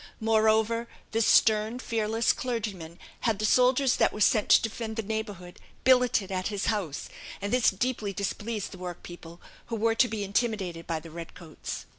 Moreover, this stern, fearless clergyman had the soldiers that were sent to defend the neighbourhood billeted at his house; and this deeply displeased the workpeople, who were to be intimidated by the red coats.